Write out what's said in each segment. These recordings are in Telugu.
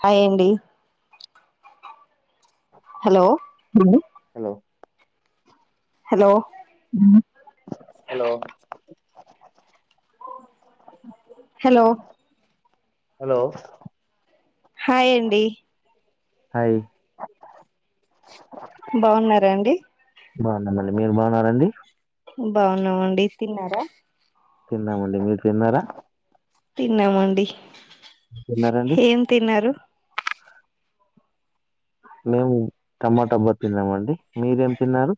హాయ్ అండి hello hello hello hello hello hello hi అండి హాయ్ బాగున్నారాండి బాగున్నామండి మీరు బాగున్నారండి బాగున్నామండి తిన్నారా తిన్నామండి మీరు తిన్నారా తిన్నామండి తిన్నారండి ఏం తిన్నారు మేము టమాటాబ్బా తిన్నామ అండి మీరేం తిన్నారు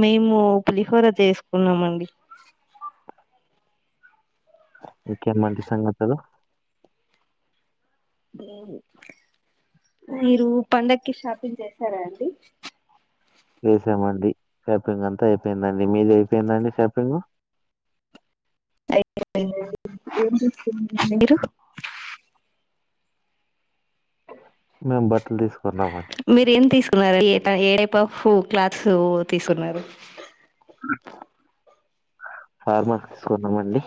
మేము పులిహోర చేసుకున్నామండి ఇంకేమండి సంగతులు మీరు పండగకి షాపింగ్ చేసారా అండి చేసామండి షాపింగ్ అంతా అయిపోయిందండి మీద అయిపోయిందండి షాపింగ్ అయిపోయిందండి మీరు మేము బట్టలు తీసుకున్నామండి మరి ఏ టైప్ ఆఫ్ క్లాత్స్ తీసుకున్నారు ఆ ఫార్మల్స్ తీసుకున్నామండి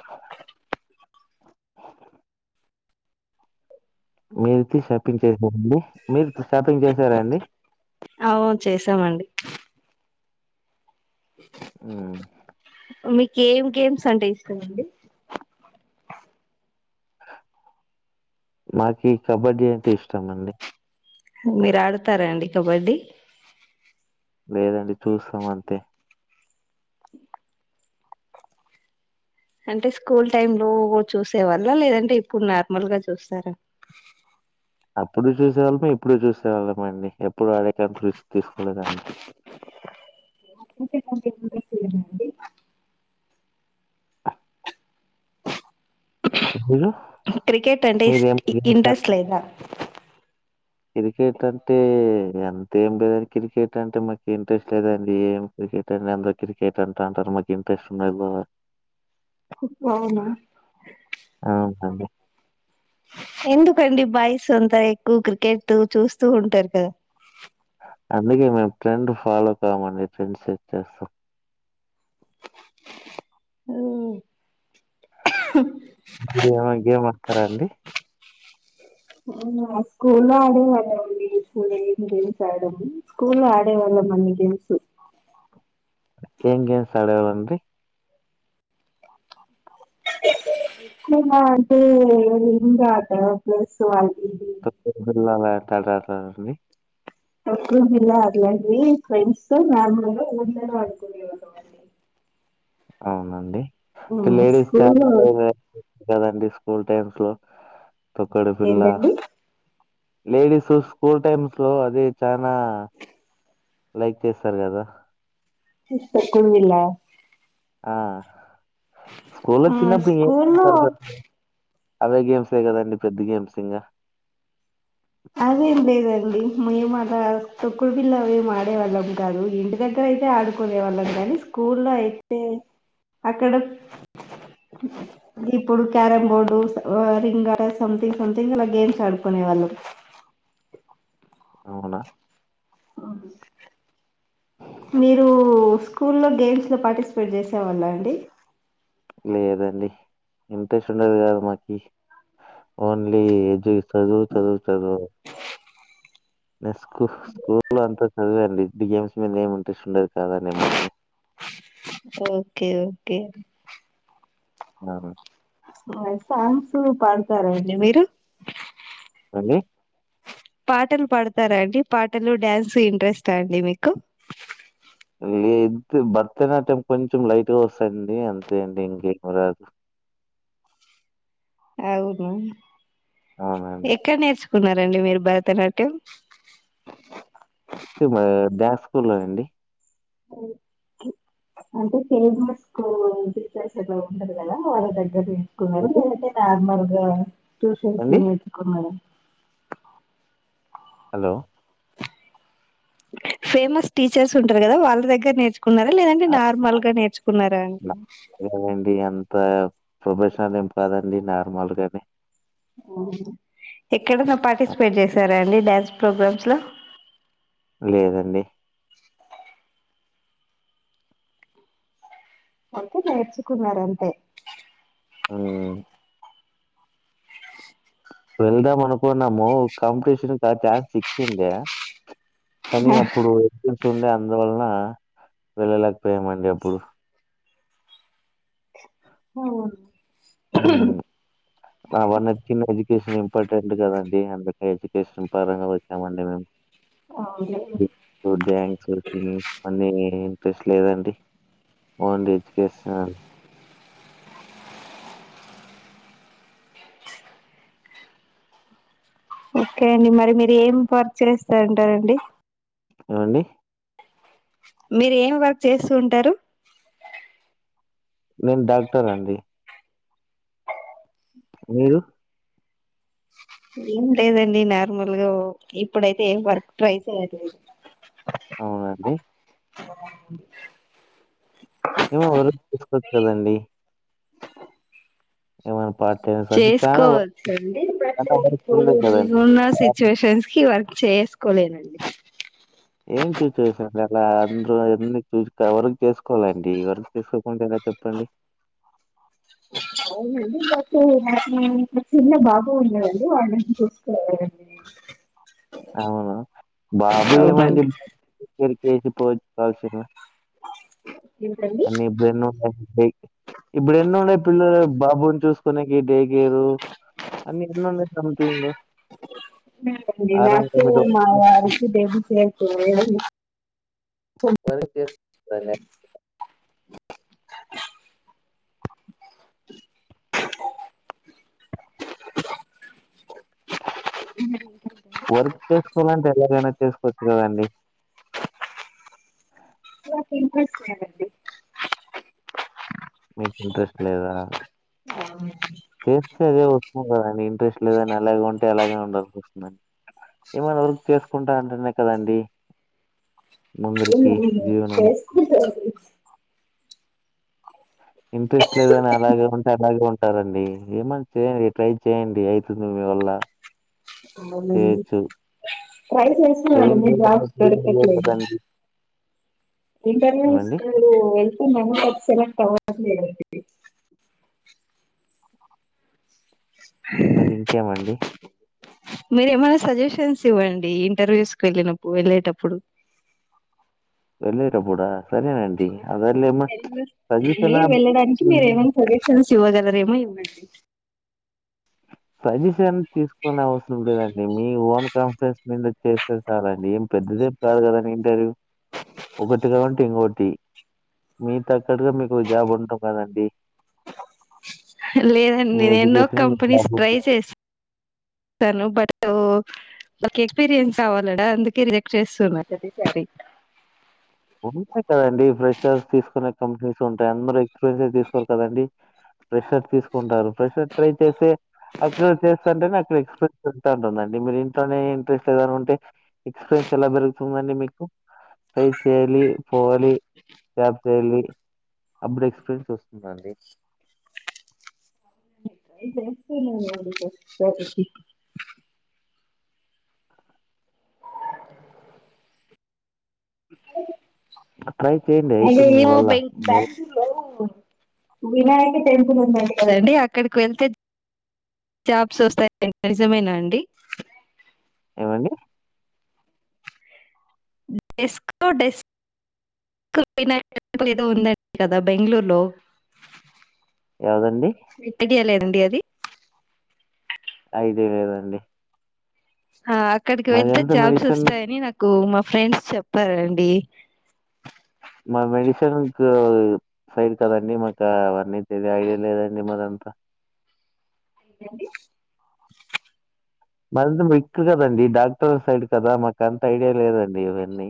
మీరు వొచ్చి షాపింగ్ చేసారండి మీరు షాపింగ్ చేశారా అండి అవు చేసామండి ఊ మీకు ఏం గేమ్స్ అంటే ఇష్టం అండి మాకి కబడ్డీ అంటే ఇష్టం అండి మీరు ఆడుతారా అండి కబడ్డీ లేదండి చూస్తాం అంతే అంటే స్కూల్ టైమ్ లో చూసేవాళ్ళా లేదంటే ఇప్పుడు నార్మల్ గా చూస్తారా అప్పుడు చూసేవాళ్ళము ఇప్పుడు చూసేవాళ్ళమండి ఎప్పుడు ఆడే ఛాన్స్ తీసుకోలేదండి కుంటే కూడా ఇంట్రెస్ట్ లేదా అండి మీరు? క్రికెట్ ఇస్ మీరేం ఇంట్రెస్ట్ లేదా క్రికెట్ అంటే అంతేం లేదండి క్రికెట్ అంటే మాకు ఇంట్రెస్ట్ లేదండి ఏం క్రికెట్ అండి అందరు క్రికెట్ అంటా అంటారు మాకు ఇంట్రెస్ట్ ఉండది బా అవునా అవును అండి ఎందుకండి బాయ్స్ అంతా ఎక్కువ క్రికెట్ చూస్తూ ఉంటారు కదా అందుకే మేము ట్రెండ్ ఫాలో కాము అండి ట్రెండ్ సెట్ చేస్తాం ఊ మీరు ఏమన్న గేమ్ ఆడతారా అండి స్కూల్లో ఆడేవాళ్ళం అండి స్కూల్ [unintelligible] గేమ్స్ ఆడం స్కూల్లో ఆడేవాళ్ళం అన్ని గేమ్స్ ఏం గేమ్స్ ఆడేవాళ్ళు అండి మేమా అంటే రింగ్ ఆట ప్లస్ వన్ అట్లాంటి ఆడతారా అండి తొక్కుడు బిళ్ళ అటువంటివి ఫ్రెండ్స్ తో నార్మల్ గా ఊర్లల్లో ఆడుకునేవాళ్ళం అండి అవున అండి లేడిస్ స్టాఫ్ స్కూల్లో [unintelligible] కదండి స్కూల్ టైమ్స్ లో తొక్కుడు బిల్లా ఏంటండి లేడీస్ స్కూల్ టైమ్స్ లో అది చానా లైక్ చేస్తారు కదా తొక్కుడు బిల్లా ఆ స్కూల్లో ఆ చిన్నప్పుడు ఏం స్కూల్లో ఇష్టపడతారు అవే గేమ్సే కద అండి పెద్ద గేమ్స్ ఇంగ అదేం లేదండి మేము అలా తొక్కుడు బిల్లా ఏం ఆడేవాళ్ళం కాదు. ఇంటి దగ్గర అయితే ఆడుకునే వాళ్ళం కానీ, స్కూల్లో అయితే అక్కడ ఇప్పుడు carrom board, ring something something అలా గేమ్స్ ఆడుకునే వాళ్ళం. అవునా మీరు స్కూల్లో గేమ్స్ లో పార్టిసిపేట్ చేసే వాళ్ళా అండి లేదండి ఇంట్రెస్ట్ ఉండేది కాదు మాకి ఓన్లీ జి చదువు చదువు చదువు నే స్కూ స్కూల్లో అంత చదువే అండి గేమ్స్ మీద ఏం ఇంట్రెస్ట్ ఉండేది కాదండి మాకి ఓకే ఓకే నాను సాంగ్స్ పాడుతారండి మీరు అండి పాటలు పాడతారాండి పాటలు, డ్యాన్స్ ఇంట్రెస్టా అండి మీకు లేదు భరతనాట్యం కొంచెం లైట్గా వస్తాదండి అంతే అండి ఇంకేమి రాదు. అవునా అవునండి ఎక్కడ నేర్చు కున్నారండి మీరు భరతనాట్యం తూమే ద్యాస్ స్కూల్లో నా అండి అంటే [unintelligible] కు టీచర్స్ ఎట్లా ఉండరు కదా వాళ్ళ దగ్గరకి కునేది ఏంటి? లేదంటే నార్మల్ [unintelligible] ట్యూషన్స్ అండి నీ పెట్టుకోండి మేడమ్ హలో ఫేమస్ టీచర్స్ ఉంటారు కదా వాళ్ళ దగ్గర నేర్చు కున్నార లేదంటే నార్మల్ గా నేర్చుకున్నారా త ప్రొఫెషనల్ ఏం కాదండి నార్మల్గానే ఆహా ఎక్కడన్నా పార్టిసిపేట్ చేశార్ అండి డ్యాన్స్ ప్రోగ్రామ్స్ లా లేదండి అంటే నేర్చుకున్నారంతే అన్ వెళ్దాం అనుకున్నాము కాంపిటీషన్ కాటా చిక్కిందా కానీ అప్పుడు [inaudible] చుండే అందువలన వెళ్ళలేకపోయామండి అప్పుడు ఓ ఉమ్ అవన్నీ చిన్న ఎడ్యుకేషన్ ఇంపార్టెంట్ కదండి, అందుకే ఎడ్యుకేషన్ పరంగా వచ్చామండి మేము ఇప్పుడు డాన్స్ వరకి అన్నీ టేస్ లేదండి ఓన్లీ ఎడ్యుకేషనల్ ఓకే అండి మరి మీరు ఏం వర్క్ చేస్తంటారండి ఏమండీ మీరు ఏమి వర్క్ చేస్తూ ఉంటారు నేను డాక్టర్ అండి మీరు ఏం లేదండి, నార్మల్గా ఒకే ఇప్పుడైతే ఏం వర్క్ ట్రై చేయట్లేదు అవునాండి ఆ ఏమో ఎవరో తీసుకోవచ్చు కదండి ఏమైన్ చేసుకోవచ్చండి, బట్ చాలా వర్క్ ఇప్పుడు ఉంది నేను కదండీ. ఉన్న సిచ్యువేషన్స్ కి వర్క్ చేసుకోలేనండి. ఏం చూసి చేశారు అలా అందరూ ఎన్ని చూసిక వర్క్ చేసుకోవాలండి, వర్క్ చేసుకోకుంటే ఎలా చెప్పండి. అవునండి బట్ నాకు ఇంకా చిన్న బాబు ఉన్నాడండి, వాన్ని చూసుకోవాలండి నేను అవునా బాబు ఏమండి అవునండి బాబు [inaudible] [unintelligible] ఏంటండి అన్ని ఇప్పుడు ఎన్నో [unintelligible] ఇప్పుడు ఎన్ని ఉన్న పిల్లలేం బాబును చూసుకునేకి డే గిరు అన్ని ఉన్నా సంమ్థింగ్ మాకు మా వారికి [unintelligible] వర్క్ చేస్ నన్నే వర్క్ చేసుకోవాలంటే ఎలాగైనా చేసుకోవచ్చు కదండి నాకు ఇంట్రెస్ట్ లేదండి. ఇంట్రెస్ట్ లేదా, చేస్తే అదే వస్తుంది కదండి, ఇంట్రెస్ట్ లేదని అలాగే ఉంటే అలాగే ఉండాల్సి వస్తుందండి, ఏమైనా వర్క్ చేసుకుంటాంటేనే కదండి. ఏమో ముందరికి అండీ మరి జీవనము చేసుకుంటామండి. ఇంట్రెస్ట్ లేదని అలాగే ఉంటే అలాగే ఉంటారండి. ఏమన్నా చేయండి. ట్రై చేయండి ఐతుంది మీ వల్ల తొందర్లెండి చేయొచ్చు ట్రై చేస్తున్నండి చేయండి జాబ్స్ దొకట్లేదు. కదండి ఇంటర్వ్యూ ఏమండి కి వెళుతున్నాను బట్ సెలెక్ట్ అవ్వ అసలు లేదండి మరి ఇంకేమండి. మీరేమైనా సజెషన్స్ ఇవ్వండి. ఇంటర్వ్యూస్ కు వెళ్ళినప్పుడు, వెళ్ళేటప్ మీరు ఇవ్వరా ఆహ నేను వెళ్లు సజెషనా నేను వెళ్ళడానికి మీర హ్మ్. ఏమన్నా సజెషన్స్ ఇవ్వగలరేమో ఇవ్వండి. సజెషన్ తీసుకునే అవసరం లేదండి. మీ ఓన్ కాన్ఫరెన్స్ మీద చేస్తే చాలండి. ఏం పెద్దదేమి కాదు కదండి ఇంటర్వ్యూ ఒకటిగా కాకుంటే ఇంకోటి మీ తక్కట్గు మీకు జాబ్ ఉంటది కదండి. లేదండి ఇది ఎన్నో కంపెనీ జాబ్ ట్రై చేస్ స్తాను బటూ ఒక ఎక్స్పీరియన్స్ కావాలడా అందుకే రిజెక్ట్ చేస్తున్నారు ప్రతిసారి ఉంటాయి కదండి. ఫ్రెషర్స్ తీసుకునే కంపెనీస్ ఉంటాయి, అందరూ ఎక్స్పీరియన్స్ తీసుకోరు కదండి, ప్రెష్ షర్స్ తీసుకుంటారు, ప్రెషర్స్ ట్రై చేస్తే అక్కడ చేస్తంటే అక్కడ ఎక్స్పీరియన్స్ ఉంటుందండి మీరు ఇంట్లోనే ఇంట్రెస్ట్ లేదంటే. ఎక్స్పీరియన్స్ ఎలా పెరుగుతుందండి మీకు కు పేజ్ డైలి పోవాలి జాబ్కెళ్ళి అప్పుడు ఎక్స్పీరియన్స్ వస్తుందండి ఇది ట్రై చేస్తూ నువు అది చెస్ [unintelligible] ట్రై చేయండి హలో అయితుంది అది మీ ఏమో వల్ల. పింక్ బాతు రూమ్ లో వినాయక టెంపుల్ ఉన్నాయి కదండి అక్కడికి వెళ్తే జాబ్స్ వస్తాయి నిజమేనా అండి ఏమండి డెస్కో డెస్ కుడిన ఏదో ఉందండి కదా బెంగళూరులో ఏదండి ఏ లేదండి అది ఐదే గదండి ఆ అక్కడికి వెళ్తే జాబ్స్ మెడిసిన్ వస్తాయని నాకు మా ఫ ఫ్రెండ్స్ చెప్పారండి మా మెడిసిన్కు సైడ్ కదండి మాకు అవన్నీ పెద ఐడియా లేదండి మదంతా ఏంటండి మరింత విక్కు కదండి డాక్టర్ సైడ్ కదా మాకు అంత ఐడియా లేదండి అవన్నీ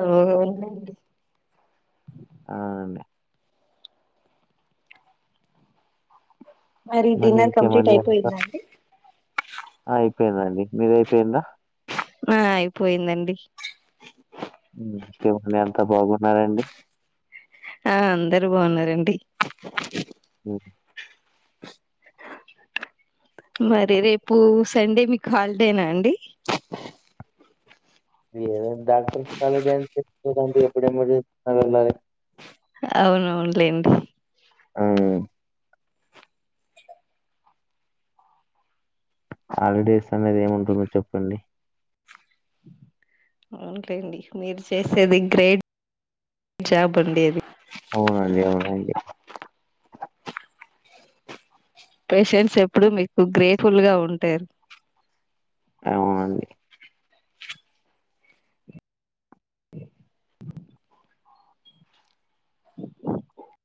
ఓహో ఇగుండు అవునండి మరి డిన్నర్ కంప్లీట్ ఇంకేమండి అంతా అయిపోయింద అండీ అయిపోయిందండి మీద అయిపోయిందా ఆ అయిపోయిందండి అంత బాగున్నారండి ఆ అందరు బాగున్నారండి [inaudible] మరి రేపు సండే మీకు హాలిడేనా అండి ఏ డాక్టర్స్ కి హాలిడే ఎప్పుడు [unintelligible] వున్నా వెళ్ళాలి అవునవునులేండి ఆ హాలిడేస్ అనేది ఏముంటుందో చెప్పండి అవునులేండి మీరు చేసేది గ్రేట్ జాబ్ అండి అది అవునండి అవునండి పేషెంట్స్ ఎప్పుడు మీకు గ్రేట్ఫుల్ గా ఉంటారు అవునండి అ [inaudible] [inaudible]